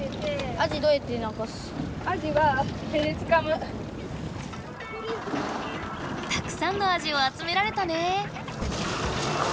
アジはたくさんのアジをあつめられたね！